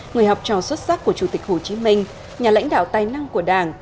người học trò xuất sắc của chủ tịch hồ chí minh nhà lãnh đạo tài năng của đảng